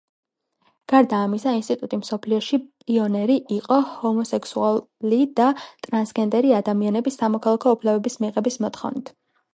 გარდა ამისა, ინსტიტუტი მსოფლიოში პიონერი იყო ჰომოსექსუალი და ტრანსგენდერი ადამიანების სამოქალაქო უფლებების მიღების მოთხოვნით.